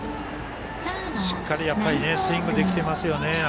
しっかりスイングできていますよね。